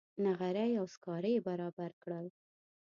نغرۍ او سکاره یې برابر کړل.